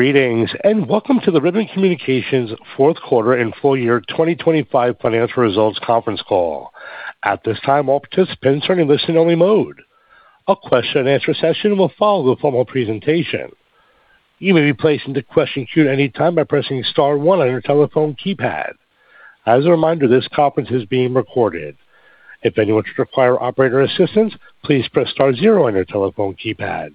Greetings, and welcome to the Ribbon Communications fourth quarter and full year 2025 financial results conference call. At this time, all participants are in a listen-only mode. A question-and-answer session will follow the formal presentation. You may be placed into question queue at any time by pressing star one on your telephone keypad. As a reminder, this conference is being recorded. If anyone should require operator assistance, please press star zero on your telephone keypad.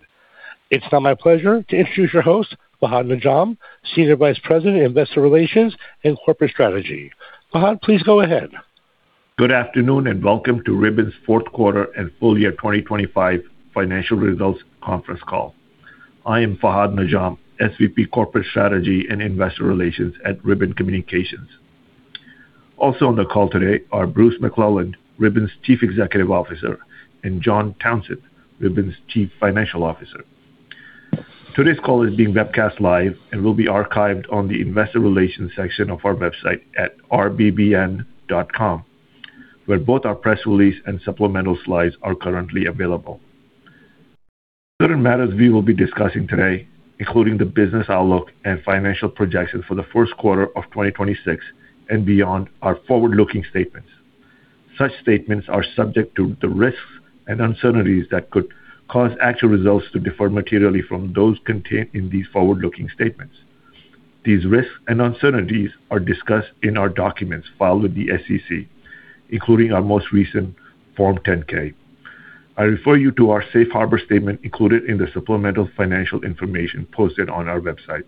It's now my pleasure to introduce your host, Fahad Najam, Senior Vice President, Investor Relations, and Corporate Strategy. Fahad, please go ahead. Good afternoon and welcome to Ribbon's fourth quarter and full year 2025 financial results conference call. I am Fahad Najam, SVP Corporate Strategy and Investor Relations at Ribbon Communications. Also on the call today are Bruce McClelland, Ribbon's Chief Executive Officer, and John Townsend, Ribbon's Chief Financial Officer. Today's call is being webcast live and will be archived on the Investor Relations section of our website at rbbn.com, where both our press release and supplemental slides are currently available. Certain matters we will be discussing today, including the business outlook and financial projections for the first quarter of 2026 and beyond, are forward-looking statements. Such statements are subject to the risks and uncertainties that could cause actual results to differ materially from those contained in these forward-looking statements. These risks and uncertainties are discussed in our documents filed with the SEC, including our most recent Form 10-K. I refer you to our Safe Harbor Statement included in the supplemental financial information posted on our website.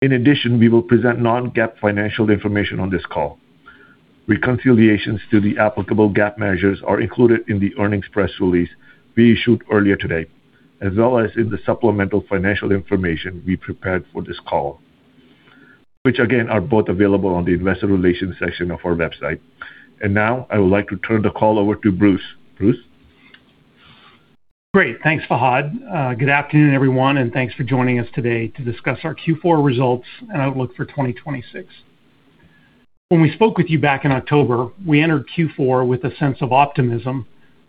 In addition, we will present non-GAAP financial information on this call. Reconciliations to the applicable GAAP measures are included in the earnings press release we issued earlier today, as well as in the supplemental financial information we prepared for this call, which again are both available on the Investor Relations section of our website. And now I would like to turn the call over to Bruce. Bruce? Great. Thanks, Fahad. Good afternoon, everyone, and thanks for joining us today to discuss our Q4 results and outlook for 2026. When we spoke with you back in October, we entered Q4 with a sense of optimism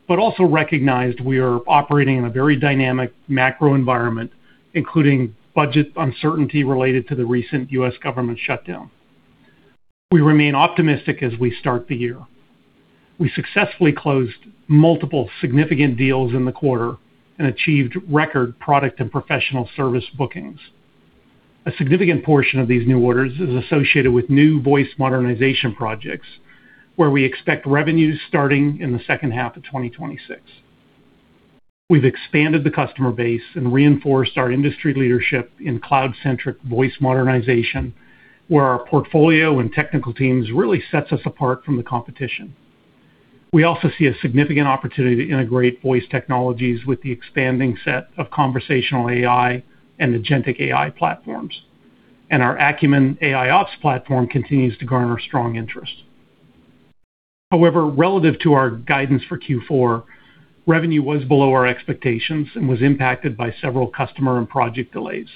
but also recognized we are operating in a very dynamic macro environment, including budget uncertainty related to the recent U.S. government shutdown. We remain optimistic as we start the year. We successfully closed multiple significant deals in the quarter and achieved record product and professional service bookings. A significant portion of these new orders is associated with new voice modernization projects, where we expect revenues starting in the second half of 2026. We've expanded the customer base and reinforced our industry leadership in cloud-centric voice modernization, where our portfolio and technical teams really set us apart from the competition. We also see a significant opportunity to integrate voice technologies with the expanding set of conversational AI and agentic AI platforms, and our Acumen AIOps platform continues to garner strong interest. However, relative to our guidance for Q4, revenue was below our expectations and was impacted by several customer and project delays.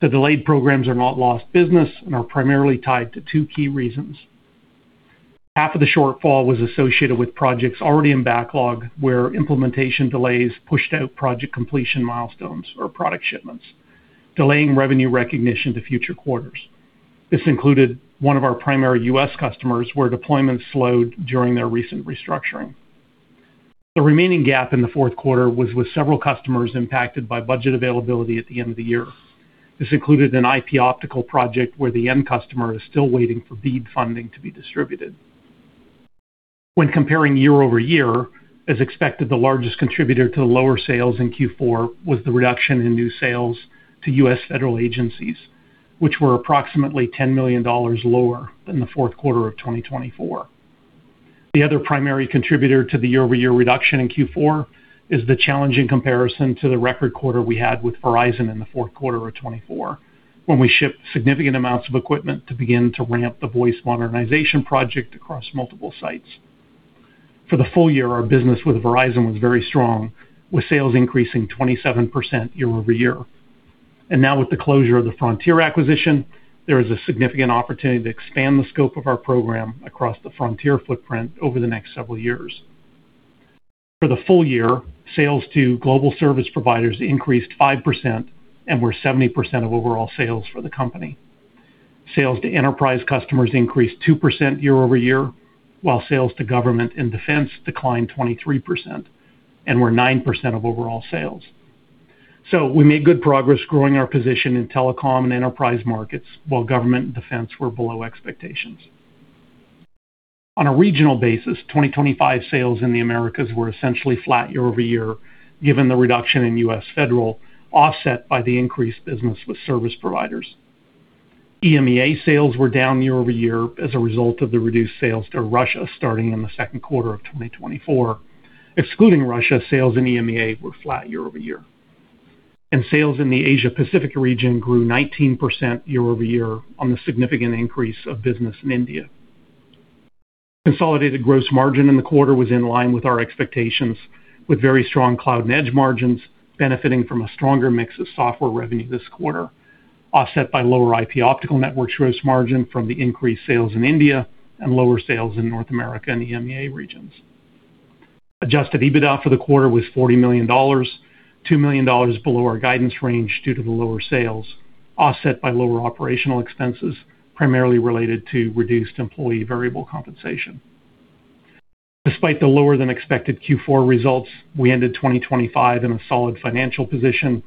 The delayed programs are not lost business and are primarily tied to two key reasons. Half of the shortfall was associated with projects already in backlog where implementation delays pushed out project completion milestones or product shipments, delaying revenue recognition to future quarters. This included one of our primary U.S. customers, where deployments slowed during their recent restructuring. The remaining gap in the fourth quarter was with several customers impacted by budget availability at the end of the year. This included an IP Optical project where the end customer is still waiting for BEAD funding to be distributed. When comparing year-over-year, as expected, the largest contributor to the lower sales in Q4 was the reduction in new sales to U.S. federal agencies, which were approximately $10 million lower than the fourth quarter of 2024. The other primary contributor to the year-over-year reduction in Q4 is the challenging comparison to the record quarter we had with Verizon in the fourth quarter of 2024, when we shipped significant amounts of equipment to begin to ramp the voice modernization project across multiple sites. For the full year, our business with Verizon was very strong, with sales increasing 27% year-over-year. And now, with the closure of the Frontier acquisition, there is a significant opportunity to expand the scope of our program across the Frontier footprint over the next several years. For the full year, sales to global service providers increased 5% and were 70% of overall sales for the company. Sales to enterprise customers increased 2% year-over-year, while sales to government and defense declined 23% and were 9% of overall sales. So we made good progress growing our position in telecom and enterprise markets, while government and defense were below expectations. On a regional basis, 2024 sales in the Americas were essentially flat year-over-year, given the reduction in U.S. federal, offset by the increased business with service providers. EMEA sales were down year-over-year as a result of the reduced sales to Russia starting in the second quarter of 2024. Excluding Russia, sales in EMEA were flat year-over-year. Sales in the Asia-Pacific region grew 19% year-over-year on the significant increase of business in India. Consolidated gross margin in the quarter was in line with our expectations, with very strong Cloud and Edge margins benefiting from a stronger mix of software revenue this quarter, offset by lower IP Optical Networks gross margin from the increased sales in India and lower sales in North America and EMEA regions. Adjusted EBITDA for the quarter was $40 million, $2 million below our guidance range due to the lower sales, offset by lower operational expenses primarily related to reduced employee variable compensation. Despite the lower-than-expected Q4 results, we ended 2025 in a solid financial position,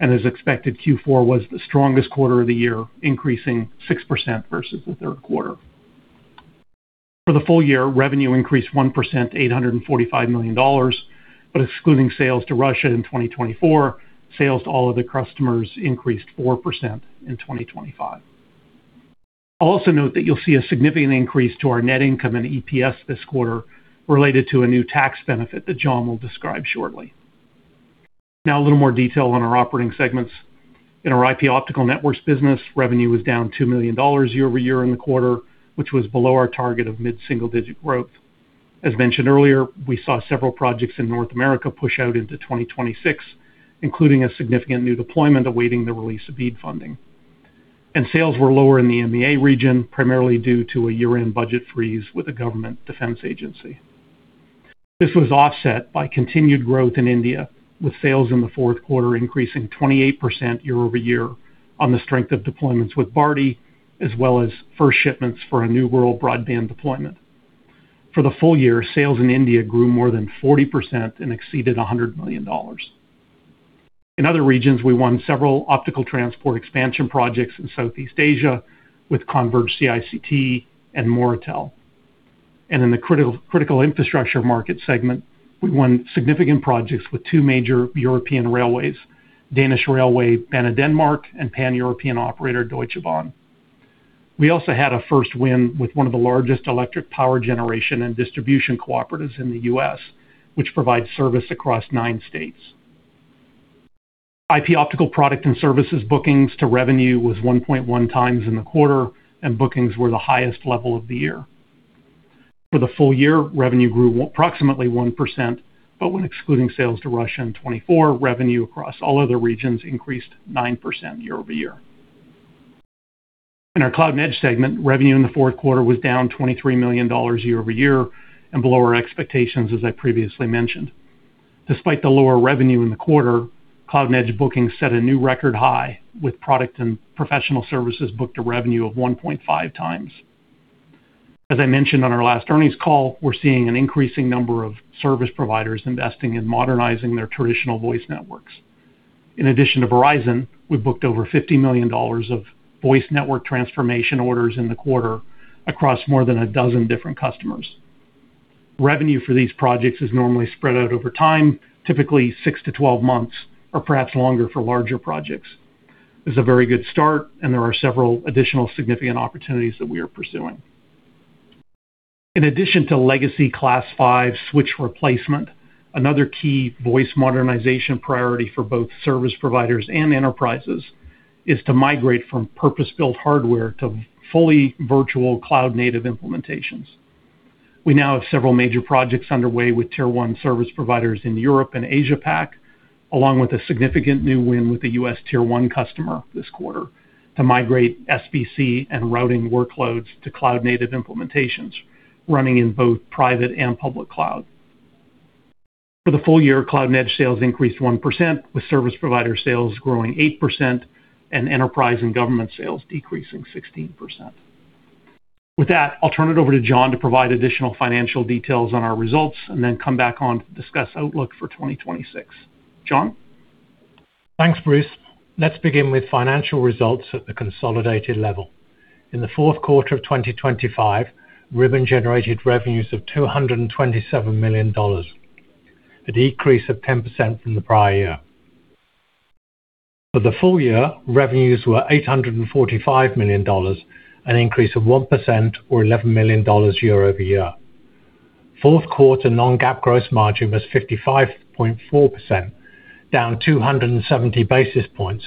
and as expected, Q4 was the strongest quarter of the year, increasing 6% versus the third quarter. For the full year, revenue increased 1%, $845 million, but excluding sales to Russia in 2024, sales to all other customers increased 4% in 2025. I'll also note that you'll see a significant increase to our net income and EPS this quarter related to a new tax benefit that John will describe shortly. Now, a little more detail on our operating segments. In our IP Optical Networks business, revenue was down $2 million year-over-year in the quarter, which was below our target of mid-single-digit growth. As mentioned earlier, we saw several projects in North America push out into 2026, including a significant new deployment awaiting the release of BEAD funding. And sales were lower in the EMEA region, primarily due to a year-end budget freeze with a government defense agency. This was offset by continued growth in India, with sales in the fourth quarter increasing 28% year-over-year on the strength of deployments with Bharti, as well as first shipments for a new world broadband deployment. For the full year, sales in India grew more than 40% and exceeded $100 million. In other regions, we won several optical transport expansion projects in Southeast Asia with Converge ICT and Moratelindo. In the critical infrastructure market segment, we won significant projects with two major European railways, Danish Railway Banedanmark and Pan-European operator Deutsche Bahn. We also had a first win with one of the largest electric power generation and distribution cooperatives in the U.S., which provides service across nine states. IP Optical product and services bookings to revenue was 1.1x in the quarter, and bookings were the highest level of the year. For the full year, revenue grew approximately 1%, but when excluding sales to Russia in 2024, revenue across all other regions increased 9% year-over-year. In our Cloud and Edge segment, revenue in the fourth quarter was down $23 million year-over-year and below our expectations, as I previously mentioned. Despite the lower revenue in the quarter, Cloud and Edge bookings set a new record high, with product and professional services book-to-revenue of 1.5x. As I mentioned on our last earnings call, we're seeing an increasing number of service providers investing in modernizing their traditional voice networks. In addition to Verizon, we booked over $50 million of voice network transformation orders in the quarter across more than a dozen different customers. Revenue for these projects is normally spread out over time, typically six to 12 months or perhaps longer for larger projects. This is a very good start, and there are several additional significant opportunities that we are pursuing. In addition to legacy Class 5 switch replacement, another key voice modernization priority for both service providers and enterprises is to migrate from purpose-built hardware to fully virtual cloud-native implementations. We now have several major projects underway with Tier 1 service providers in Europe and Asia-Pac, along with a significant new win with a U.S. Tier 1 customer this quarter to migrate SBC and routing workloads to cloud-native implementations running in both private and public cloud. For the full year, Cloud and Edge sales increased 1%, with service provider sales growing 8% and enterprise and government sales decreasing 16%. With that, I'll turn it over to John to provide additional financial details on our results and then come back on to discuss outlook for 2026. John? Thanks, Bruce. Let's begin with financial results at the consolidated level. In the fourth quarter of 2025, Ribbon generated revenues of $227 million, a decrease of 10% from the prior year. For the full year, revenues were $845 million, an increase of 1% or $11 million year-over-year. Fourth quarter non-GAAP gross margin was 55.4%, down 270 basis points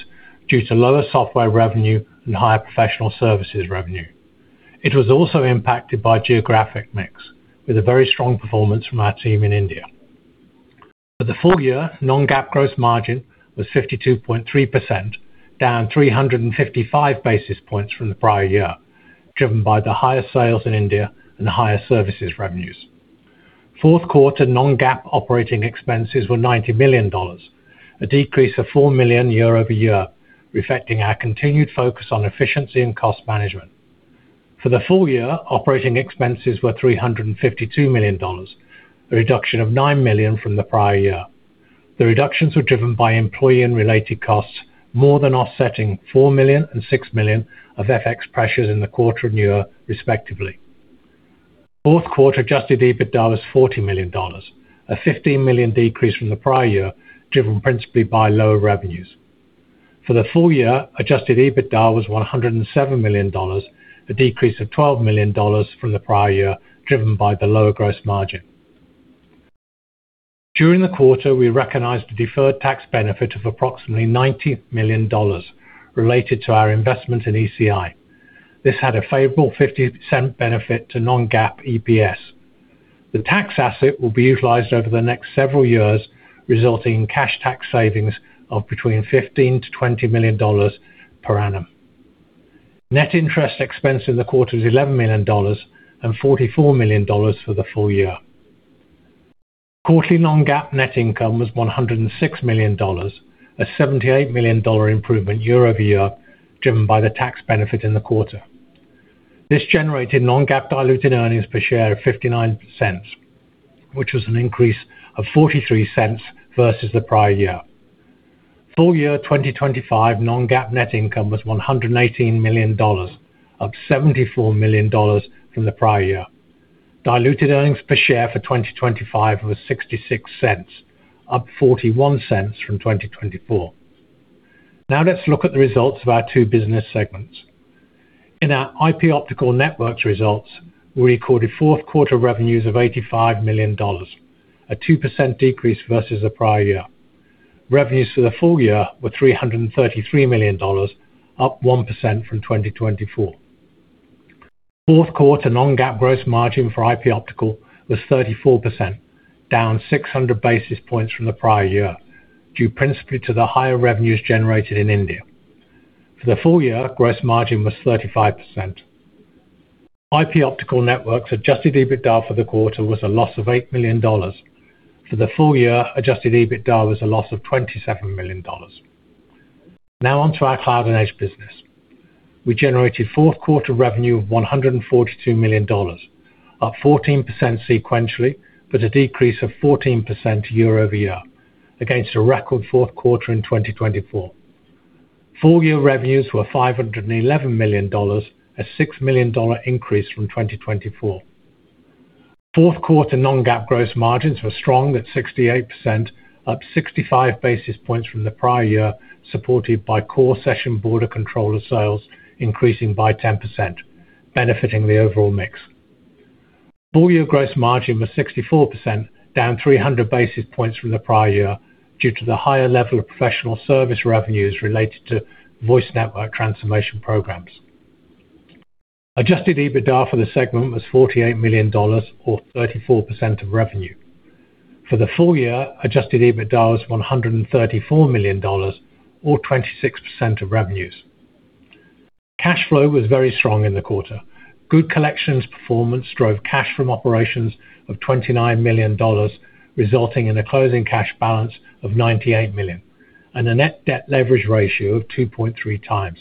due to lower software revenue and higher professional services revenue. It was also impacted by geographic mix, with a very strong performance from our team in India. For the full year, non-GAAP gross margin was 52.3%, down 355 basis points from the prior year, driven by the higher sales in India and the higher services revenues. Fourth quarter non-GAAP operating expenses were $90 million, a decrease of $4 million year-over-year, reflecting our continued focus on efficiency and cost management. For the full year, operating expenses were $352 million, a reduction of $9 million from the prior year. The reductions were driven by employee- and related costs, more than offsetting $4 million and $6 million of FX pressures in the quarter and year, respectively. Fourth quarter adjusted EBITDA was $40 million, a $15 million decrease from the prior year, driven principally by lower revenues. For the full year, adjusted EBITDA was $107 million, a decrease of $12 million from the prior year, driven by the lower gross margin. During the quarter, we recognized a deferred tax benefit of approximately $90 million related to our investment in ECI. This had a favorable $0.50 benefit to non-GAAP EPS. The tax asset will be utilized over the next several years, resulting in cash tax savings of between $15 million-$20 million per annum. Net interest expense in the quarter was $11 million and $44 million for the full year. Quarterly non-GAAP net income was $106 million, a $78 million improvement year-over-year, driven by the tax benefit in the quarter. This generated non-GAAP diluted earnings per share of 59 cents, which was an increase of $0.43 versus the prior year. Full year 2025 non-GAAP net income was $118 million, up $74 million from the prior year. Diluted earnings per share for 2025 was $0.66, up $0.41 from 2024. Now let's look at the results of our two business segments. In our IP Optical Networks results, we recorded fourth quarter revenues of $85 million, a 2% decrease versus the prior year. Revenues for the full year were $333 million, up 1% from 2024. Fourth quarter non-GAAP gross margin for IP Optical was 34%, down 600 basis points from the prior year, due principally to the higher revenues generated in India. For the full year, gross margin was 35%. IP Optical Networks adjusted EBITDA for the quarter was a loss of $8 million. For the full year, adjusted EBITDA was a loss of $27 million. Now onto our Cloud and Edge business. We generated fourth quarter revenue of $142 million, up 14% sequentially, but a decrease of 14% year-over-year, against a record fourth quarter in 2024. Full year revenues were $511 million, a $6 million increase from 2024. Fourth quarter non-GAAP gross margins were strong at 68%, up 65 basis points from the prior year, supported by core Session Border Controller sales increasing by 10%, benefiting the overall mix. Full year gross margin was 64%, down 300 basis points from the prior year, due to the higher level of professional service revenues related to voice network transformation programs. Adjusted EBITDA for the segment was $48 million, or 34% of revenue. For the full year, adjusted EBITDA was $134 million, or 26% of revenues. Cash flow was very strong in the quarter. Good collections performance drove cash from operations of $29 million, resulting in a closing cash balance of $98 million and a net debt leverage ratio of 2.3x.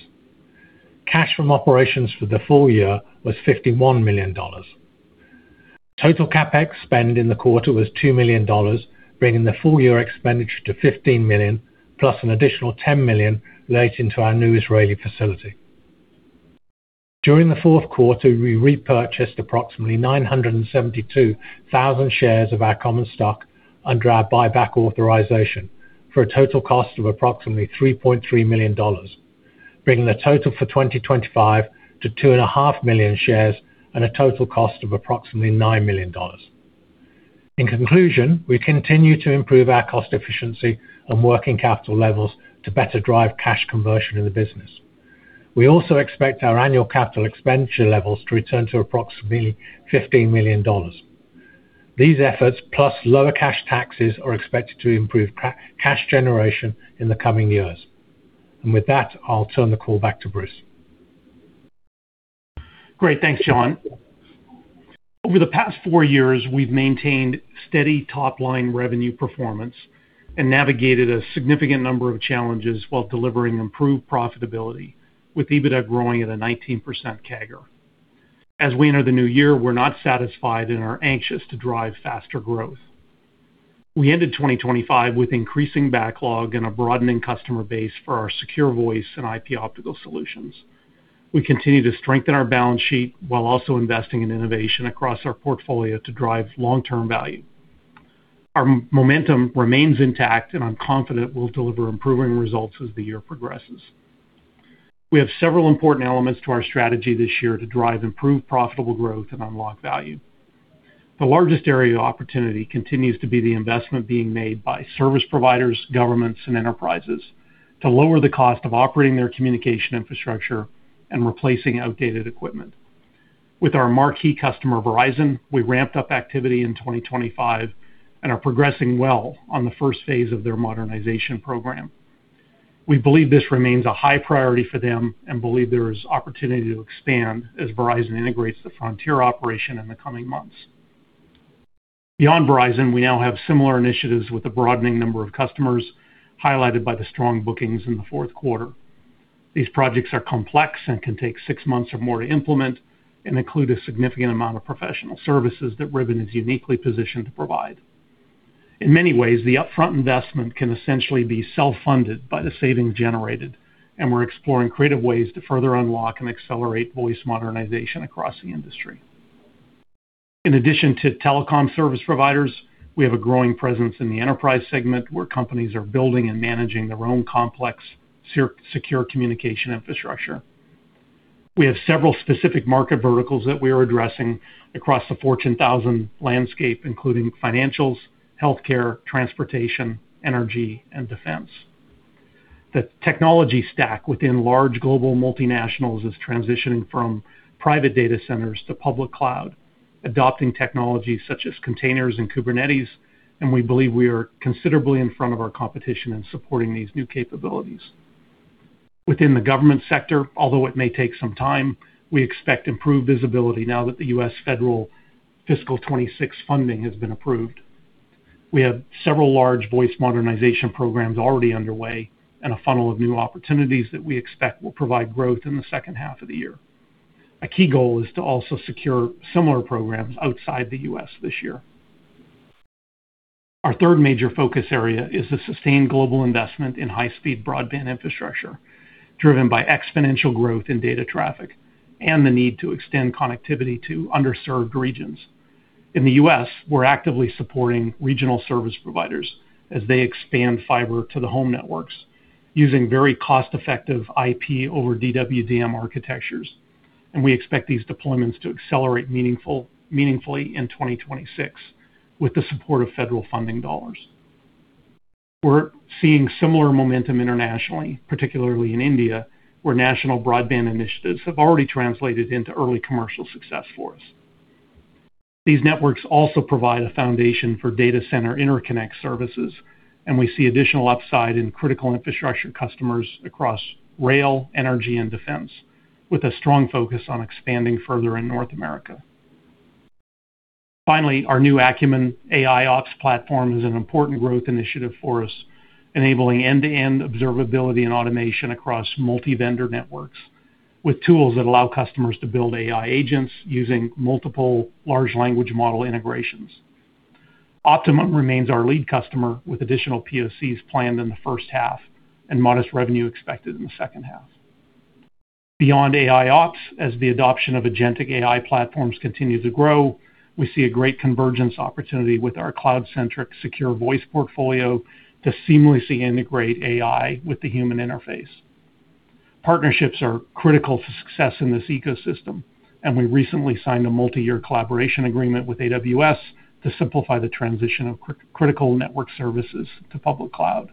Cash from operations for the full year was $51 million. Total CapEx spend in the quarter was $2 million, bringing the full year expenditure to $15 million, plus an additional $10 million related to our new Israeli facility. During the fourth quarter, we repurchased approximately 972,000 shares of our common stock under our buyback authorization for a total cost of approximately $3.3 million, bringing the total for 2025 to 2.5 million shares and a total cost of approximately $9 million. In conclusion, we continue to improve our cost efficiency and working capital levels to better drive cash conversion in the business. We also expect our annual capital expenditure levels to return to approximately $15 million. These efforts, plus lower cash taxes, are expected to improve cash generation in the coming years. With that, I'll turn the call back to Bruce. Great. Thanks, John. Over the past four years, we've maintained steady top-line revenue performance and navigated a significant number of challenges while delivering improved profitability, with EBITDA growing at a 19% CAGR. As we enter the new year, we're not satisfied and are anxious to drive faster growth. We ended 2025 with increasing backlog and a broadening customer base for our secure voice and IP Optical Solutions. We continue to strengthen our balance sheet while also investing in innovation across our portfolio to drive long-term value. Our momentum remains intact, and I'm confident we'll deliver improving results as the year progresses. We have several important elements to our strategy this year to drive improved profitable growth and unlock value. The largest area of opportunity continues to be the investment being made by service providers, governments, and enterprises to lower the cost of operating their communication infrastructure and replacing outdated equipment. With our marquee customer Verizon, we ramped up activity in 2025 and are progressing well on the first phase of their modernization program. We believe this remains a high priority for them and believe there is opportunity to expand as Verizon integrates the Frontier operation in the coming months. Beyond Verizon, we now have similar initiatives with a broadening number of customers, highlighted by the strong bookings in the fourth quarter. These projects are complex and can take six months or more to implement and include a significant amount of professional services that Ribbon is uniquely positioned to provide. In many ways, the upfront investment can essentially be self-funded by the savings generated, and we're exploring creative ways to further unlock and accelerate voice modernization across the industry. In addition to telecom service providers, we have a growing presence in the enterprise segment where companies are building and managing their own complex secure communication infrastructure. We have several specific market verticals that we are addressing across the Fortune 1000 landscape, including financials, healthcare, transportation, energy, and defense. The technology stack within large global multinationals is transitioning from private data centers to public cloud, adopting technologies such as containers and Kubernetes, and we believe we are considerably in front of our competition in supporting these new capabilities. Within the government sector, although it may take some time, we expect improved visibility now that the U.S. federal fiscal 2026 funding has been approved. We have several large voice modernization programs already underway and a funnel of new opportunities that we expect will provide growth in the second half of the year. A key goal is to also secure similar programs outside the U.S. this year. Our third major focus area is to sustain global investment in high-speed broadband infrastructure, driven by exponential growth in data traffic and the need to extend connectivity to underserved regions. In the U.S., we're actively supporting regional service providers as they expand fiber to the home networks, using very cost-effective IP over DWDM architectures, and we expect these deployments to accelerate meaningfully in 2026 with the support of federal funding dollars. We're seeing similar momentum internationally, particularly in India, where national broadband initiatives have already translated into early commercial success for us. These networks also provide a foundation for data center interconnect services, and we see additional upside in critical infrastructure customers across rail, energy, and defense, with a strong focus on expanding further in North America. Finally, our new Acumen AIOps platform is an important growth initiative for us, enabling end-to-end observability and automation across multi-vendor networks, with tools that allow customers to build AI agents using multiple large language model integrations. Optimum remains our lead customer, with additional POCs planned in the first half and modest revenue expected in the second half. Beyond AIOps, as the adoption of agentic AI platforms continues to grow, we see a great convergence opportunity with our cloud-centric secure voice portfolio to seamlessly integrate AI with the human interface. Partnerships are critical to success in this ecosystem, and we recently signed a multi-year collaboration agreement with AWS to simplify the transition of critical network services to public cloud.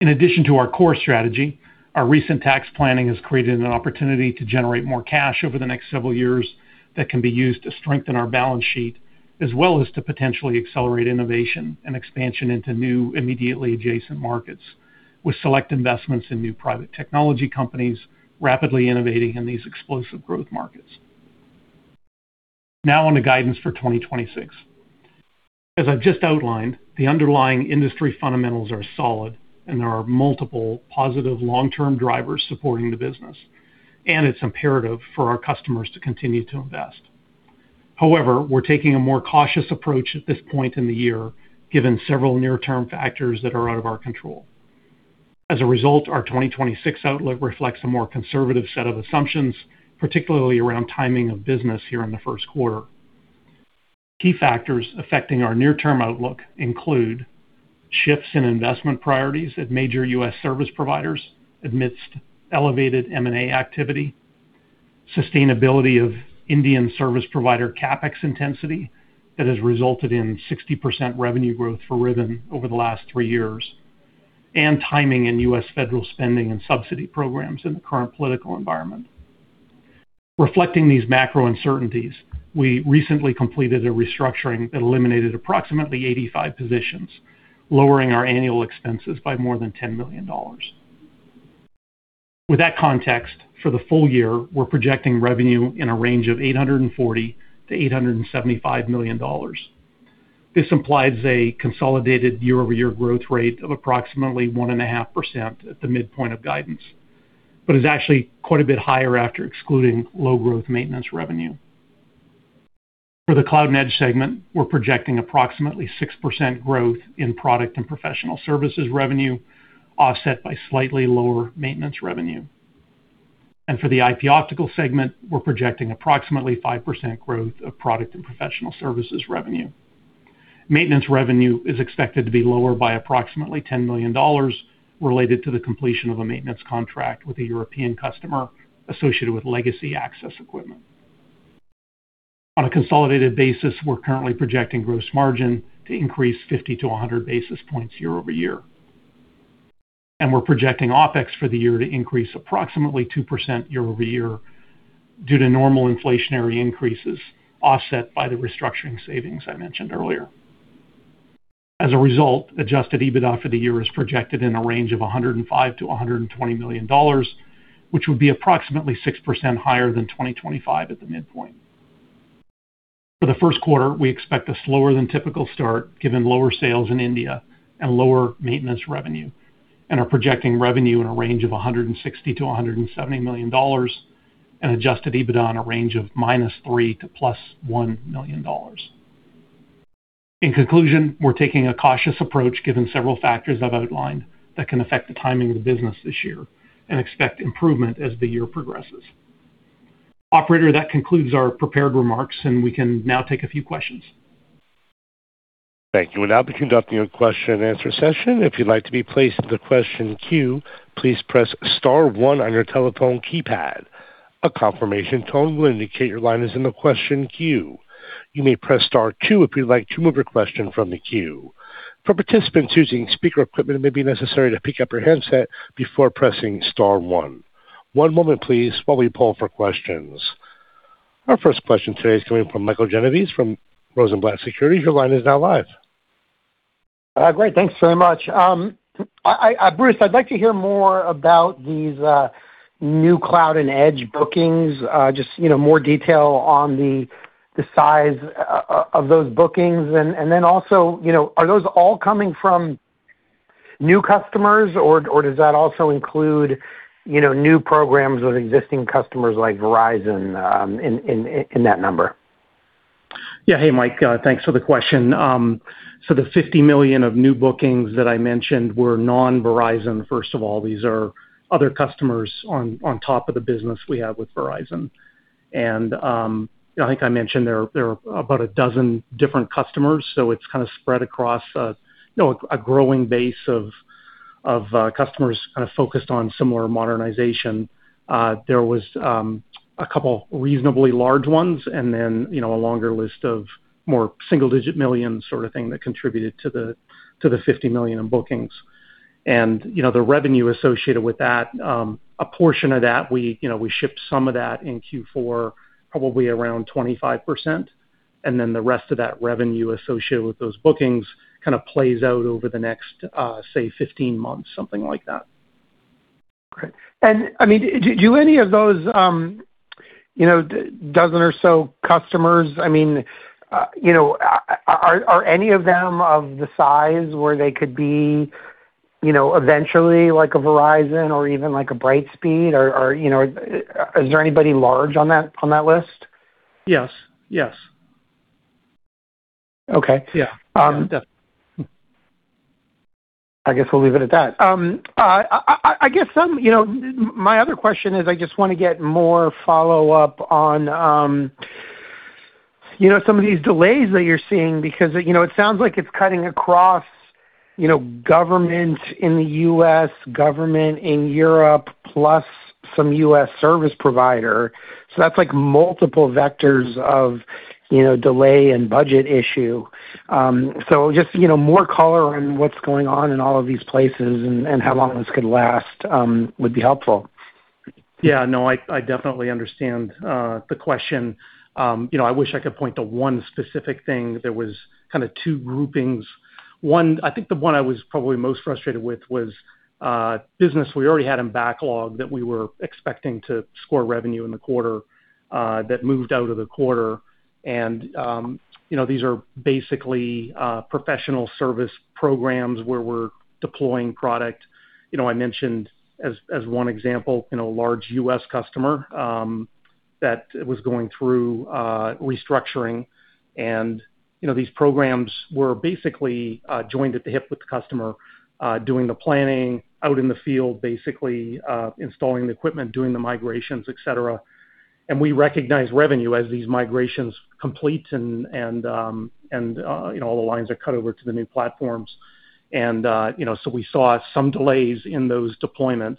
In addition to our core strategy, our recent tax planning has created an opportunity to generate more cash over the next several years that can be used to strengthen our balance sheet, as well as to potentially accelerate innovation and expansion into new immediately adjacent markets, with select investments in new private technology companies rapidly innovating in these explosive growth markets. Now onto guidance for 2026. As I've just outlined, the underlying industry fundamentals are solid, and there are multiple positive long-term drivers supporting the business, and it's imperative for our customers to continue to invest. However, we're taking a more cautious approach at this point in the year, given several near-term factors that are out of our control. As a result, our 2026 outlook reflects a more conservative set of assumptions, particularly around timing of business here in the first quarter. Key factors affecting our near-term outlook include shifts in investment priorities at major U.S. service providers amidst elevated M&A activity, sustainability of Indian service provider CapEx intensity that has resulted in 60% revenue growth for Ribbon over the last three years, and timing in U.S. federal spending and subsidy programs in the current political environment. Reflecting these macro uncertainties, we recently completed a restructuring that eliminated approximately 85 positions, lowering our annual expenses by more than $10 million. With that context, for the full year, we're projecting revenue in a range of $840 million-$875 million. This implies a consolidated year-over-year growth rate of approximately 1.5% at the midpoint of guidance, but is actually quite a bit higher after excluding low-growth maintenance revenue. For the Cloud and Edge segment, we're projecting approximately 6% growth in product and professional services revenue, offset by slightly lower maintenance revenue. For the IP Optical Segment, we're projecting approximately 5% growth of product and professional services revenue. Maintenance revenue is expected to be lower by approximately $10 million related to the completion of a maintenance contract with a European customer associated with legacy access equipment. On a consolidated basis, we're currently projecting gross margin to increase 50-100 basis points year-over-year. We're projecting OpEx for the year to increase approximately 2% year-over-year due to normal inflationary increases offset by the restructuring savings I mentioned earlier. As a result, adjusted EBITDA for the year is projected in a range of $105 million-$120 million, which would be approximately 6% higher than 2025 at the midpoint. For the first quarter, we expect a slower than typical start given lower sales in India and lower maintenance revenue, and are projecting revenue in a range of $160 million-$170 million and adjusted EBITDA in a range of -$3 million to +$1 million. In conclusion, we're taking a cautious approach given several factors I've outlined that can affect the timing of the business this year and expect improvement as the year progresses. Operator, that concludes our prepared remarks, and we can now take a few questions. Thank you. We'll now be conducting a question-and-answer session. If you'd like to be placed in the question queue, please press star one on your telephone keypad. A confirmation tone will indicate your line is in the question queue. You may press star two if you'd like to move your question from the queue. For participants using speaker equipment, it may be necessary to pick up your handset before pressing star one. One moment, please, while we pull for questions. Our first question today is coming from Michael Genovese from Rosenblatt Securities. Your line is now live. Great. Thanks very much. Bruce, I'd like to hear more about these new Cloud and Edge bookings, just more detail on the size of those bookings. And then also, are those all coming from new customers, or does that also include new programs with existing customers like Verizon in that number? Yeah. Hey, Mike. Thanks for the question. So the $50 million of new bookings that I mentioned were non-Verizon, first of all. These are other customers on top of the business we have with Verizon. And I think I mentioned there are about a dozen different customers, so it's kind of spread across a growing base of customers kind of focused on similar modernization. There was a couple of reasonably large ones and then a longer list of more single-digit million sort of thing that contributed to the $50 million in bookings. And the revenue associated with that, a portion of that, we shipped some of that in Q4, probably around 25%. And then the rest of that revenue associated with those bookings kind of plays out over the next, say, 15 months, something like that. Great. And I mean, do any of those dozen or so customers I mean, are any of them of the size where they could be eventually like a Verizon or even like a Brightspeed? Or is there anybody large on that list? Yes. Yes. Okay. Yeah. Definitely. I guess we'll leave it at that. I guess my other question is I just want to get more follow-up on some of these delays that you're seeing because it sounds like it's cutting across government in the U.S., government in Europe, plus some U.S. service provider. So that's multiple vectors of delay and budget issue. So just more color on what's going on in all of these places and how long this could last would be helpful. Yeah. No, I definitely understand the question. I wish I could point to one specific thing. There was kind of two groupings. I think the one I was probably most frustrated with was business. We already had in backlog that we were expecting to score revenue in the quarter that moved out of the quarter. These are basically professional service programs where we're deploying product. I mentioned as one example a large U.S. customer that was going through restructuring. These programs were basically joined at the hip with the customer, doing the planning out in the field, basically installing the equipment, doing the migrations, etc. We recognize revenue as these migrations complete and all the lines are cut over to the new platforms. So we saw some delays in those deployments,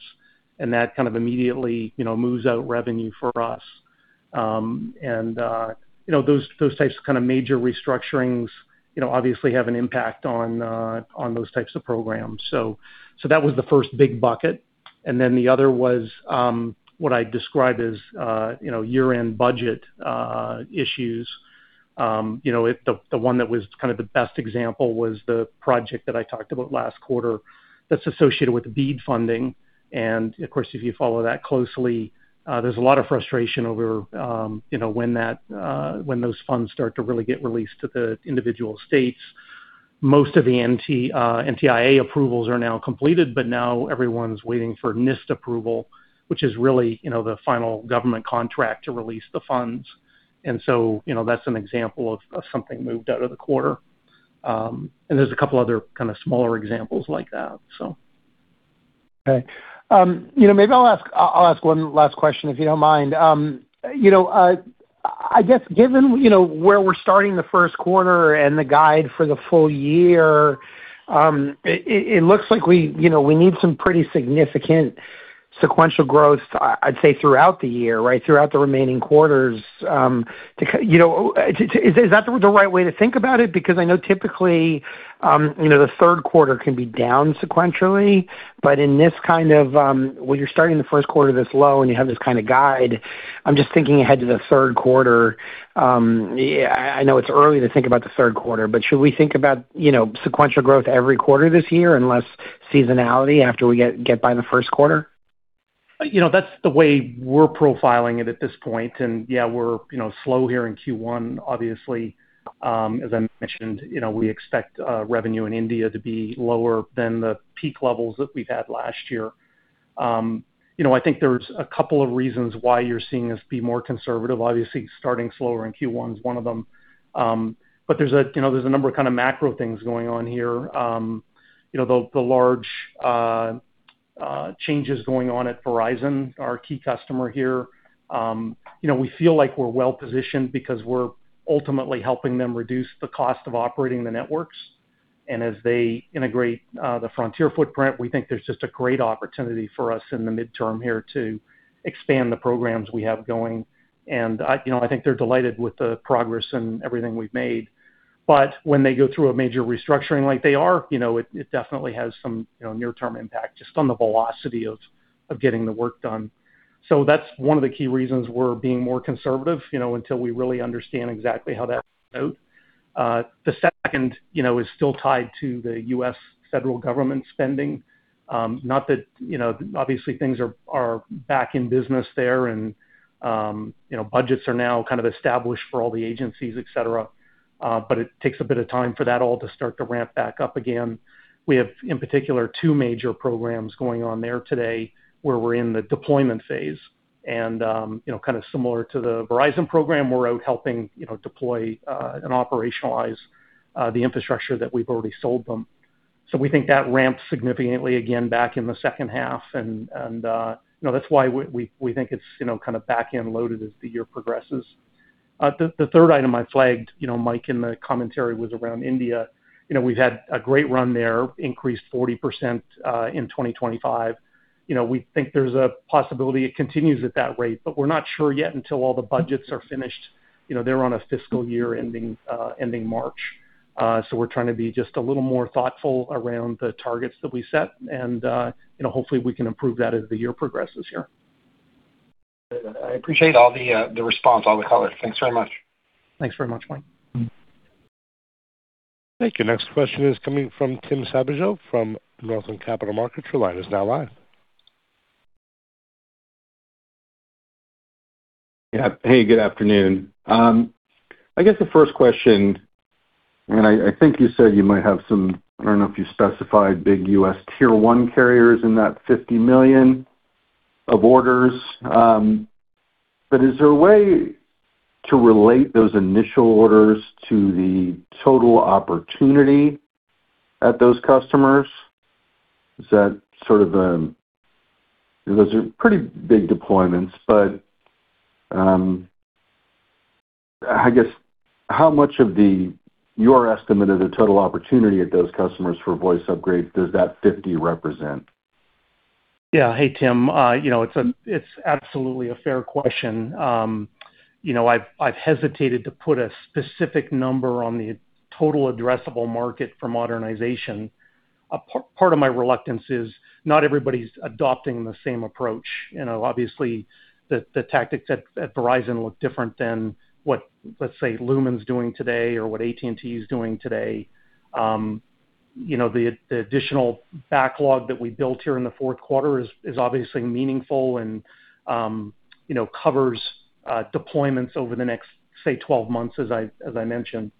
and that kind of immediately moves out revenue for us. Those types of kind of major restructurings obviously have an impact on those types of programs. So that was the first big bucket. And then the other was what I describe as year-end budget issues. The one that was kind of the best example was the project that I talked about last quarter that's associated with BEAD funding. And of course, if you follow that closely, there's a lot of frustration over when those funds start to really get released to the individual states. Most of the NTIA approvals are now completed, but now everyone's waiting for NIST approval, which is really the final government contract to release the funds. And so that's an example of something moved out of the quarter. And there's a couple of other kind of smaller examples like that, so. Okay. Maybe I'll ask one last question if you don't mind. I guess given where we're starting the first quarter and the guide for the full year, it looks like we need some pretty significant sequential growth, I'd say, throughout the year, right, throughout the remaining quarters. Is that the right way to think about it? Because I know typically the third quarter can be down sequentially. But in this kind of when you're starting the first quarter this low and you have this kind of guide, I'm just thinking ahead to the third quarter. I know it's early to think about the third quarter, but should we think about sequential growth every quarter this year unless seasonality after we get by the first quarter? That's the way we're profiling it at this point. Yeah, we're slow here in Q1, obviously. As I mentioned, we expect revenue in India to be lower than the peak levels that we've had last year. I think there's a couple of reasons why you're seeing us be more conservative, obviously, starting slower in Q1 is one of them. There's a number of kind of macro things going on here. The large changes going on at Verizon, our key customer here, we feel like we're well-positioned because we're ultimately helping them reduce the cost of operating the networks. As they integrate the Frontier footprint, we think there's just a great opportunity for us in the midterm here to expand the programs we have going. I think they're delighted with the progress and everything we've made. But when they go through a major restructuring like they are, it definitely has some near-term impact just on the velocity of getting the work done. So that's one of the key reasons we're being more conservative until we really understand exactly how that runs out. The second is still tied to the U.S. federal government spending. Not that obviously, things are back in business there, and budgets are now kind of established for all the agencies, etc. But it takes a bit of time for that all to start to ramp back up again. We have, in particular, two major programs going on there today where we're in the deployment phase. And kind of similar to the Verizon program, we're out helping deploy and operationalize the infrastructure that we've already sold them. So we think that ramps significantly, again, back in the second half. And that's why we think it's kind of back-end loaded as the year progresses. The third item I flagged, Mike, in the commentary was around India. We've had a great run there, increased 40% in 2025. We think there's a possibility it continues at that rate, but we're not sure yet until all the budgets are finished. They're on a fiscal year ending March. So we're trying to be just a little more thoughtful around the targets that we set. And hopefully, we can improve that as the year progresses here. I appreciate all the response, all the color. Thanks very much. Thanks very much, Mike. Thank you. Next question is coming from Tim Savageaux from Northland Capital Markets. Your line is now live. Yeah. Hey, good afternoon. I guess the first question and I think you said you might have some. I don't know if you specified big U.S. Tier 1 carriers in that $50 million of orders. But is there a way to relate those initial orders to the total opportunity at those customers? Is that sort of a. Those are pretty big deployments. But I guess how much of your estimate of the total opportunity at those customers for voice upgrades, does that 50 represent? Yeah. Hey, Tim. It's absolutely a fair question. I've hesitated to put a specific number on the total addressable market for modernization. Part of my reluctance is not everybody's adopting the same approach. Obviously, the tactics at Verizon look different than what, let's say, Lumen's doing today or what AT&T is doing today. The additional backlog that we built here in the fourth quarter is obviously meaningful and covers deployments over the next, say, 12 months, as I mentioned.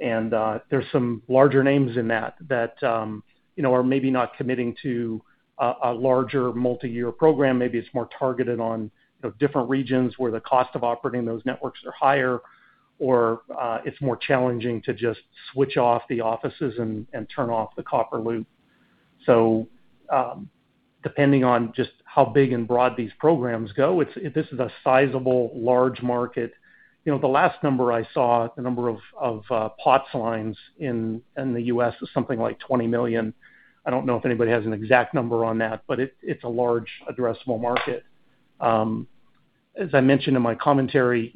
And there's some larger names in that that are maybe not committing to a larger multi-year program. Maybe it's more targeted on different regions where the cost of operating those networks are higher, or it's more challenging to just switch off the offices and turn off the copper loop. So depending on just how big and broad these programs go, this is a sizable, large market. The last number I saw, the number of POTS lines in the U.S., is something like 20 million. I don't know if anybody has an exact number on that, but it's a large addressable market. As I mentioned in my commentary,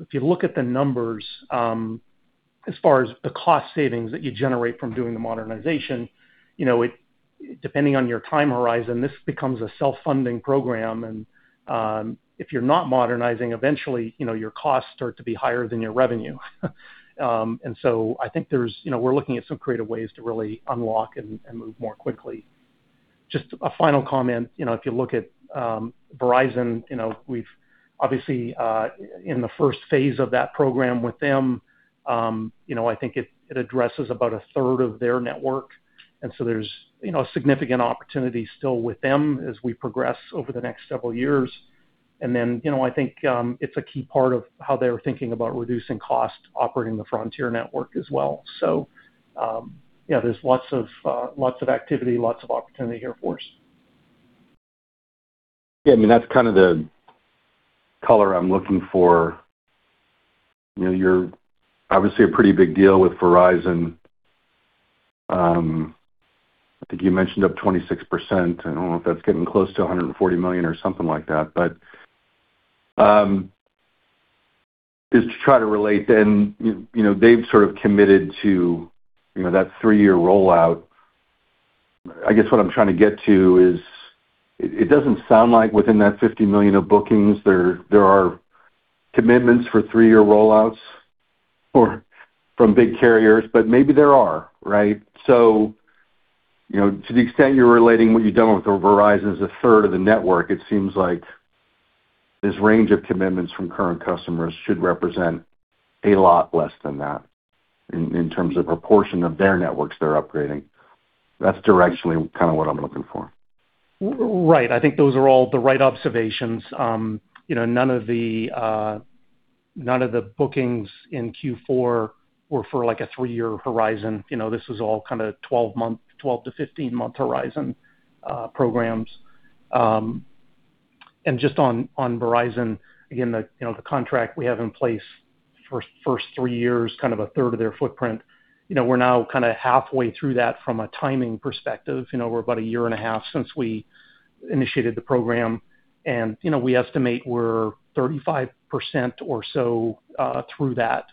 if you look at the numbers, as far as the cost savings that you generate from doing the modernization, depending on your time horizon, this becomes a self-funding program. And if you're not modernizing, eventually, your costs start to be higher than your revenue. And so I think we're looking at some creative ways to really unlock and move more quickly. Just a final comment. If you look at Verizon, obviously, in the first phase of that program with them, I think it addresses about a third of their network. And so there's a significant opportunity still with them as we progress over the next several years. And then I think it's a key part of how they're thinking about reducing cost operating the Frontier network as well. So yeah, there's lots of activity, lots of opportunity here for us. Yeah. I mean, that's kind of the color I'm looking for. You're obviously a pretty big deal with Verizon. I think you mentioned up 26%. I don't know if that's getting close to $140 million or something like that. But is to try to relate then they've sort of committed to that three-year rollout. I guess what I'm trying to get to is it doesn't sound like within that $50 million of bookings, there are commitments for three-year rollouts from big carriers, but maybe there are, right? So to the extent you're relating what you've done with Verizon's a third of the network, it seems like this range of commitments from current customers should represent a lot less than that in terms of proportion of their networks they're upgrading. That's directionally kind of what I'm looking for. Right. I think those are all the right observations. None of the bookings in Q4 were for a three-year horizon. This was all kind of 12-15-month horizon programs. And just on Verizon, again, the contract we have in place for the first three years, kind of a third of their footprint. We're now kind of halfway through that from a timing perspective. We're about a year and a half since we initiated the program. And we estimate we're 35% or so through that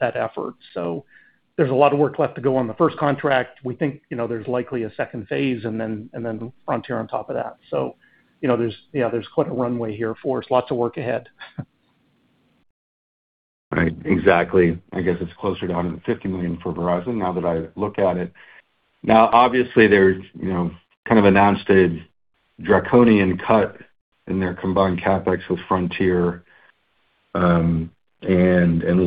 effort. So there's a lot of work left to go on the first contract. We think there's likely a second phase and then Frontier on top of that. So yeah, there's quite a runway here for us. Lots of work ahead. Right. Exactly. I guess it's closer to $50 million for Verizon now that I look at it. Now, obviously, they've kind of announced a draconian cut in their combined CapEx with Frontier and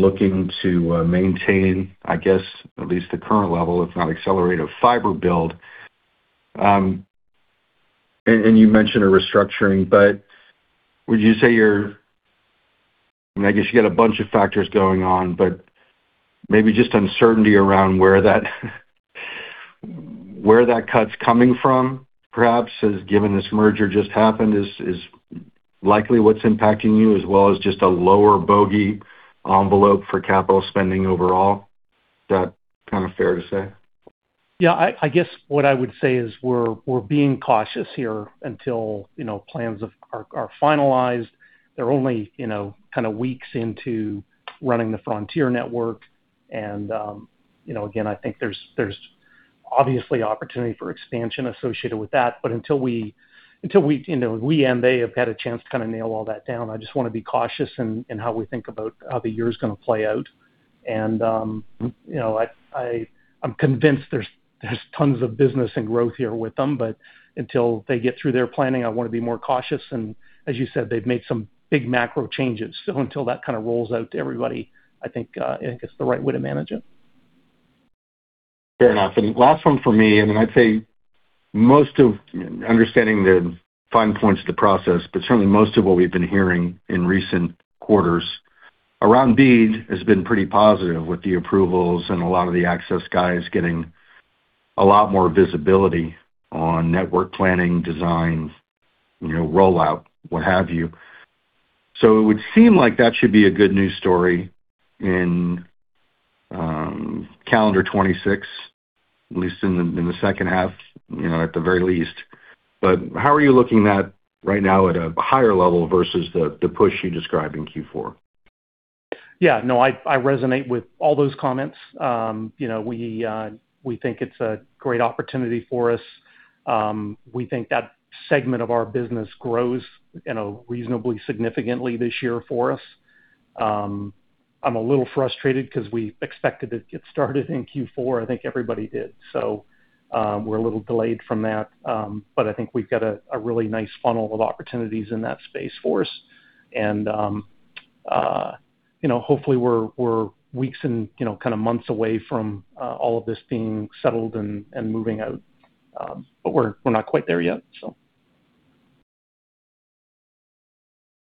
looking to maintain, I guess, at least the current level, if not accelerate, of fiber build. And you mentioned a restructuring, but would you say you're I mean, I guess you got a bunch of factors going on, but maybe just uncertainty around where that cut's coming from, perhaps, as given this merger just happened, is likely what's impacting you as well as just a lower bogey envelope for capital spending overall. Is that kind of fair to say? Yeah. I guess what I would say is we're being cautious here until plans are finalized. They're only kind of weeks into running the Frontier network. And again, I think there's obviously opportunity for expansion associated with that. But until we and they have had a chance to kind of nail all that down, I just want to be cautious in how we think about how the year's going to play out. And I'm convinced there's tons of business and growth here with them. But until they get through their planning, I want to be more cautious. And as you said, they've made some big macro changes. So until that kind of rolls out to everybody, I think it's the right way to manage it. Fair enough. Last one for me. I mean, I'd say most of understanding the fine points of the process, but certainly most of what we've been hearing in recent quarters around BEAD has been pretty positive with the approvals and a lot of the access guys getting a lot more visibility on network planning, design, rollout, what have you. It would seem like that should be a good news story in calendar 2026, at least in the second half, at the very least. How are you looking at that right now at a higher level versus the push you described in Q4? Yeah. No, I resonate with all those comments. We think it's a great opportunity for us. We think that segment of our business grows reasonably significantly this year for us. I'm a little frustrated because we expected it to get started in Q4. I think everybody did. So we're a little delayed from that. But I think we've got a really nice funnel of opportunities in that space for us. And hopefully, we're weeks and kind of months away from all of this being settled and moving out. But we're not quite there yet, so.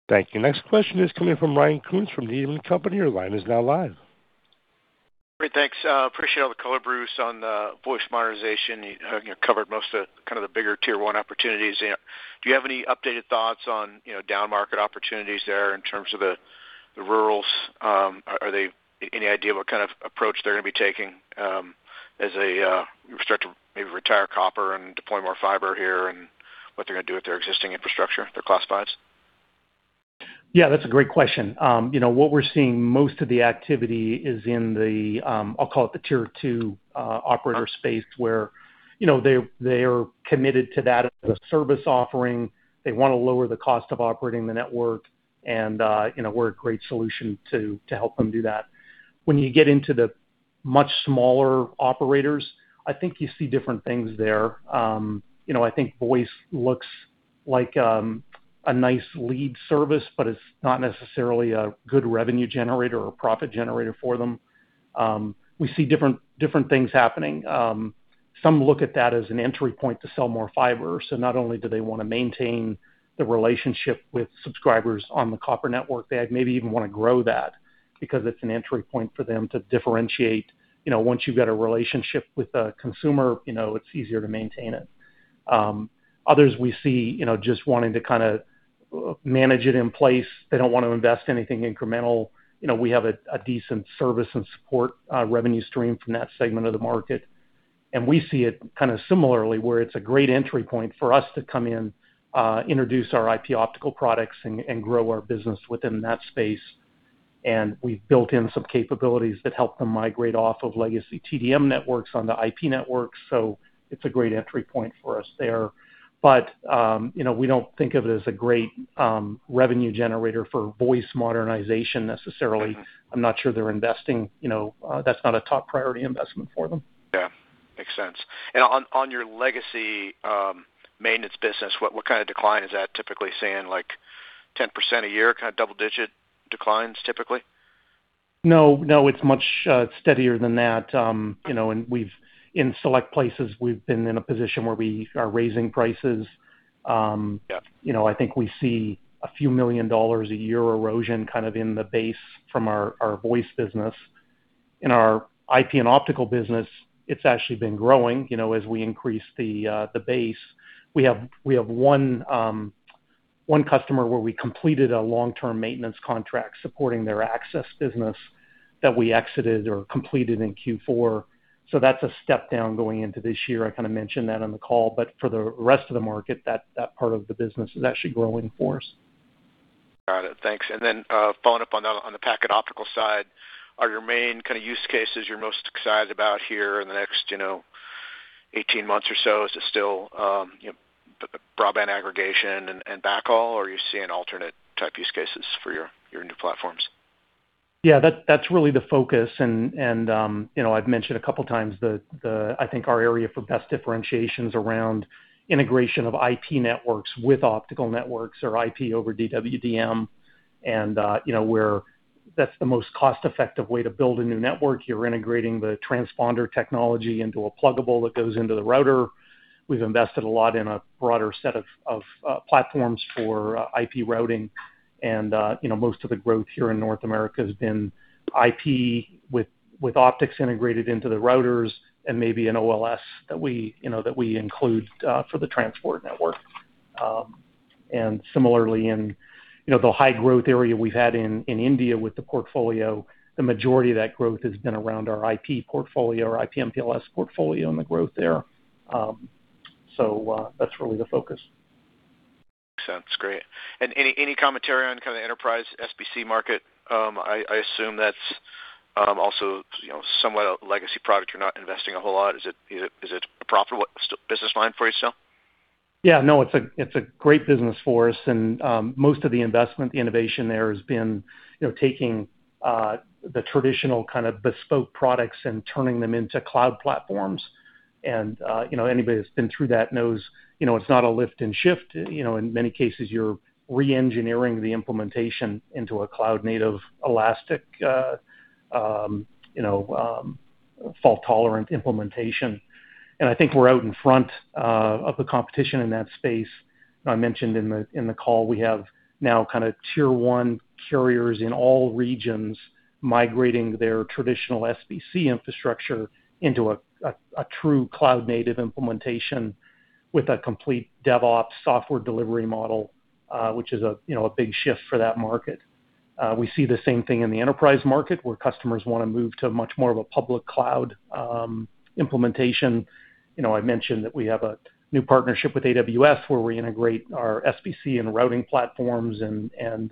Thank you. Next question is coming from Ryan Koontz from Needham & Company. Your line is now live. Great. Thanks. Appreciate all the color, Bruce, on the voice modernization. You covered most of kind of the bigger Tier 1 opportunities. Do you have any updated thoughts on down-market opportunities there in terms of the rurals? Do they have any idea what kind of approach they're going to be taking as we start to maybe retire copper and deploy more fiber here and what they're going to do with their existing infrastructure, their Class 5s? Yeah. That's a great question. What we're seeing, most of the activity is in the I'll call it the Tier 2 operator space where they are committed to that as a service offering. They want to lower the cost of operating the network, and we're a great solution to help them do that. When you get into the much smaller operators, I think you see different things there. I think voice looks like a nice lead service, but it's not necessarily a good revenue generator or a profit generator for them. We see different things happening. Some look at that as an entry point to sell more fiber. So not only do they want to maintain the relationship with subscribers on the copper network, they maybe even want to grow that because it's an entry point for them to differentiate. Once you've got a relationship with a consumer, it's easier to maintain it. Others, we see just wanting to kind of manage it in place. They don't want to invest anything incremental. We have a decent service and support revenue stream from that segment of the market. And we see it kind of similarly where it's a great entry point for us to come in, introduce our IP Optical products, and grow our business within that space. And we've built in some capabilities that help them migrate off of legacy TDM networks onto IP networks. So it's a great entry point for us there. But we don't think of it as a great revenue generator for voice modernization necessarily. I'm not sure they're investing. That's not a top priority investment for them. Yeah. Makes sense. And on your legacy maintenance business, what kind of decline is that typically saying? Like 10% a year, kind of double-digit declines, typically? No. No. It's much steadier than that. In select places, we've been in a position where we are raising prices. I think we see a few million dollar a year erosion kind of in the base from our voice business. In our IP and Optical business, it's actually been growing as we increase the base. We have one customer where we completed a long-term maintenance contract supporting their access business that we exited or completed in Q4. That's a step down going into this year. I kind of mentioned that on the call. For the rest of the market, that part of the business is actually growing for us. Got it. Thanks. And then following up on the packet optical side, are your main kind of use cases you're most excited about here in the next 18 months or so? Is it still broadband aggregation and backhaul, or are you seeing alternate type use cases for your new platforms? Yeah. That's really the focus. And I've mentioned a couple of times the, I think, our area for best differentiation is around integration of IP networks with optical networks or IP over DWDM. And that's the most cost-effective way to build a new network. You're integrating the transponder technology into a pluggable that goes into the router. We've invested a lot in a broader set of platforms for IP routing. And most of the growth here in North America has been IP with optics integrated into the routers and maybe an OLS that we include for the transport network. And similarly, in the high-growth area we've had in India with the portfolio, the majority of that growth has been around our IP portfolio or IP MPLS portfolio and the growth there. So that's really the focus. Makes sense. Great. And any commentary on kind of the enterprise SBC market? I assume that's also somewhat a legacy product. You're not investing a whole lot. Is it a profitable business line for you still? Yeah. No. It's a great business for us. Most of the investment, the innovation there has been taking the traditional kind of bespoke products and turning them into cloud platforms. Anybody that's been through that knows it's not a lift and shift. In many cases, you're re-engineering the implementation into a cloud-native, elastic, fault-tolerant implementation. I think we're out in front of the competition in that space. I mentioned in the call, we have now kind of Tier 1 carriers in all regions migrating their traditional SBC infrastructure into a true cloud-native implementation with a complete DevOps software delivery model, which is a big shift for that market. We see the same thing in the enterprise market where customers want to move to much more of a public cloud implementation. I mentioned that we have a new partnership with AWS where we integrate our SBC and routing platforms and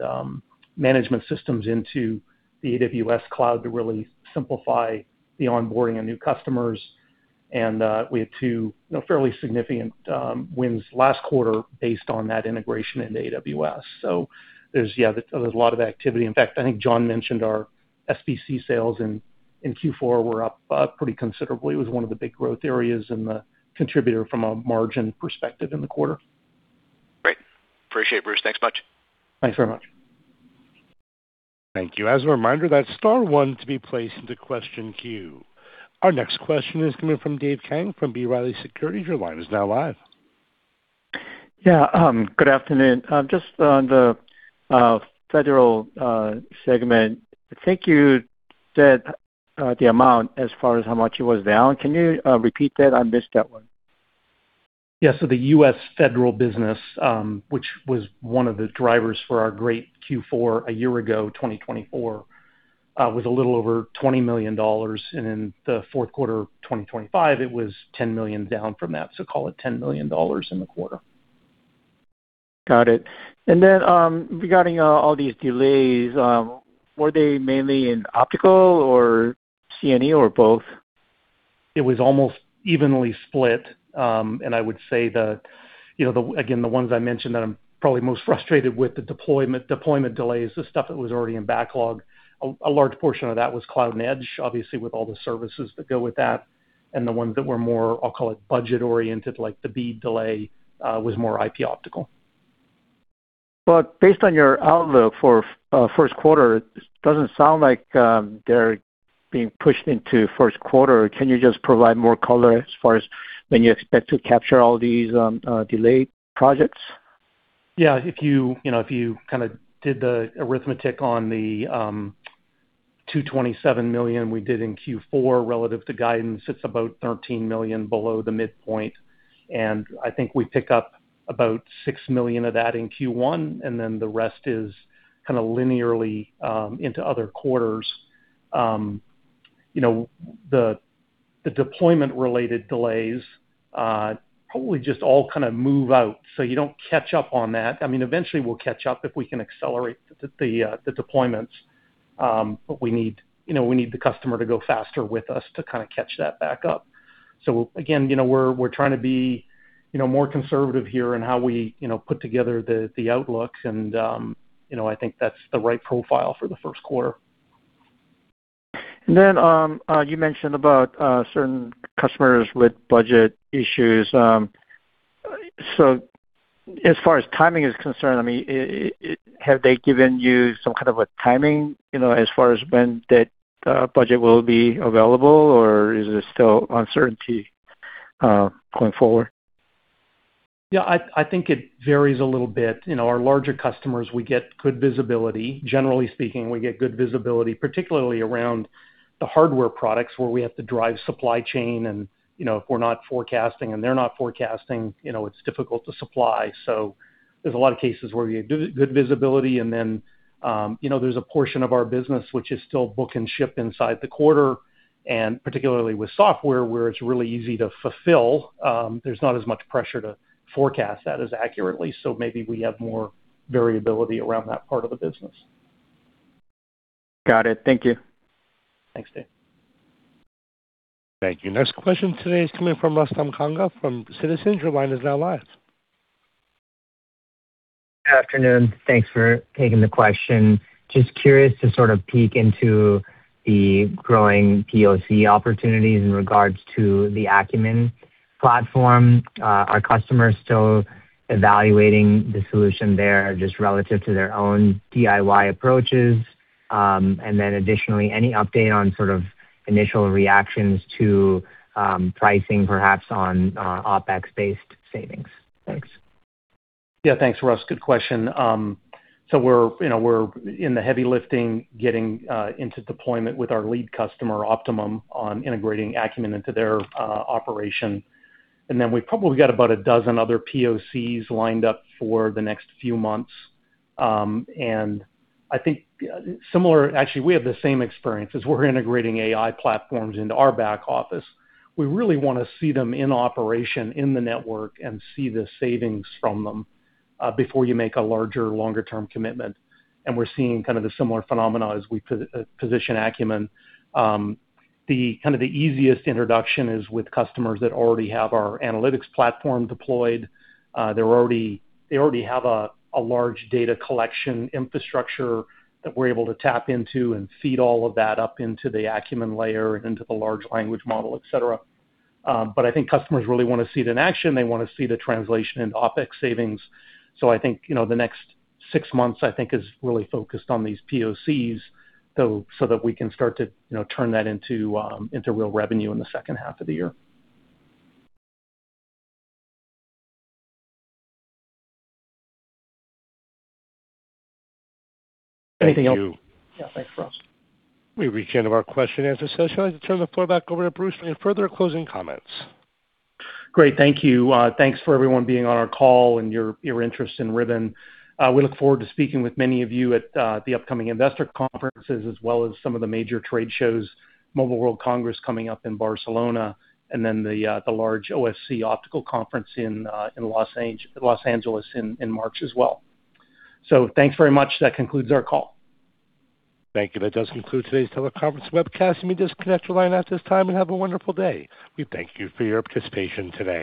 management systems into the AWS cloud to really simplify the onboarding of new customers. We had two fairly significant wins last quarter based on that integration into AWS. Yeah, there's a lot of activity. In fact, I think John mentioned our SBC sales in Q4 were up pretty considerably. It was one of the big growth areas and the contributor from a margin perspective in the quarter. Great. Appreciate it, Bruce. Thanks much. Thanks very much. Thank you. As a reminder, that's star one to be placed into question queue. Our next question is coming from Dave Kang from B. Riley Securities. Your line is now live. Yeah. Good afternoon. Just on the federal segment, I think you said the amount as far as how much it was down. Can you repeat that? I missed that one. Yeah. So the U.S. federal business, which was one of the drivers for our great Q4 a year ago, 2024, was a little over $20 million. In the fourth quarter of 2025, it was $10 million down from that. So call it $10 million in the quarter. Got it. And then regarding all these delays, were they mainly in optical or C&E or both? It was almost evenly split. I would say, again, the ones I mentioned that I'm probably most frustrated with, the deployment delays, the stuff that was already in backlog, a large portion of that was Cloud and Edge, obviously, with all the services that go with that. The ones that were more, I'll call it, budget-oriented, like the BEAD delay, was more IP Optical. But based on your outlook for first quarter, it doesn't sound like they're being pushed into first quarter. Can you just provide more color as far as when you expect to capture all these delayed projects? Yeah. If you kind of did the arithmetic on the $227 million we did in Q4 relative to guidance, it's about $13 million below the midpoint. And I think we pick up about $6 million of that in Q1, and then the rest is kind of linearly into other quarters. The deployment-related delays probably just all kind of move out. So you don't catch up on that. I mean, eventually, we'll catch up if we can accelerate the deployments. But we need the customer to go faster with us to kind of catch that back up. So again, we're trying to be more conservative here in how we put together the outlook. And I think that's the right profile for the first quarter. Then you mentioned about certain customers with budget issues. As far as timing is concerned, I mean, have they given you some kind of a timing as far as when that budget will be available, or is there still uncertainty going forward? Yeah. I think it varies a little bit. Our larger customers, we get good visibility. Generally speaking, we get good visibility, particularly around the hardware products where we have to drive supply chain. And if we're not forecasting and they're not forecasting, it's difficult to supply. So there's a lot of cases where we have good visibility. And then there's a portion of our business which is still book and ship inside the quarter, and particularly with software where it's really easy to fulfill. There's not as much pressure to forecast that as accurately. So maybe we have more variability around that part of the business. Got it. Thank you. Thanks, Dave. Thank you. Next question today is coming from Rustam Kanga from Citizens. Your line is now live. Good afternoon. Thanks for taking the question. Just curious to sort of peek into the growing POC opportunities in regards to the Acumen platform. Are customers still evaluating the solution there just relative to their own DIY approaches? And then additionally, any update on sort of initial reactions to pricing, perhaps on OpEx-based savings? Thanks. Yeah. Thanks, Russ. Good question. So we're in the heavy lifting getting into deployment with our lead customer, Optimum, on integrating Acumen into their operation. And then we've probably got about a dozen other POCs lined up for the next few months. And I think similar actually, we have the same experience as we're integrating AI platforms into our back office. We really want to see them in operation in the network and see the savings from them before you make a larger, longer-term commitment. And we're seeing kind of the similar phenomena as we position Acumen. Kind of the easiest introduction is with customers that already have our analytics platform deployed. They already have a large data collection infrastructure that we're able to tap into and feed all of that up into the Acumen layer and into the large language model, etc. But I think customers really want to see it in action. They want to see the translation into OpEx savings. So I think the next six months, I think, is really focused on these POCs so that we can start to turn that into real revenue in the second half of the year. Anything else? Thank you. Yeah. Thanks, Russ. We reached the end of our question answers, so I should turn the floor back over to Bruce for any further closing comments. Great. Thank you. Thanks for everyone being on our call and your interest in Ribbon. We look forward to speaking with many of you at the upcoming investor conferences as well as some of the major trade shows, Mobile World Congress coming up in Barcelona, and then the large OFC optical conference in Los Angeles in March as well. Thanks very much. That concludes our call. Thank you. That does conclude today's teleconference webcast. You may disconnect your line at this time and have a wonderful day. We thank you for your participation today.